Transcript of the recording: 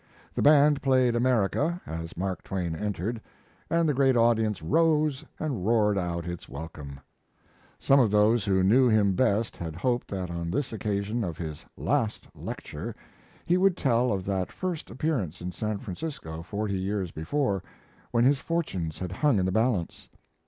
The band played "America" as Mark Twain entered, and the great audience rose and roared out its welcome. Some of those who knew him best had hoped that on this occasion of his last lecture he would tell of that first appearance in San Francisco, forty years before, when his fortunes had hung in the balance.